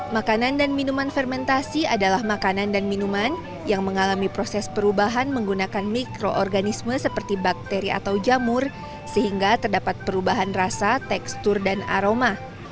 makanan dan minuman fermentasi adalah makanan dan minuman yang mengalami proses perubahan menggunakan mikroorganisme seperti bakteri atau jamur sehingga terdapat perubahan rasa tekstur dan aroma